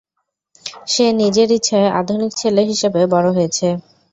সে নিজের ইচ্ছায় আধুনিক ছেলে হিসেবে বড় হয়েছে।